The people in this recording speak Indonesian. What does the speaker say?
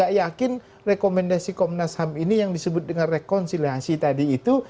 saya yakin rekomendasi komnas ham ini yang disebut dengan rekonsiliasi tadi itu